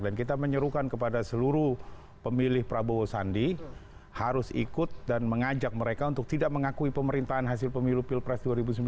dan kita menyerukan kepada seluruh pemilih prabowo sandi harus ikut dan mengajak mereka untuk tidak mengakui pemerintahan hasil pemilu pilpres dua ribu sembilan belas